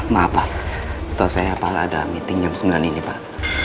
maaf pak setahu saya pak ada meeting jam sembilan ini pak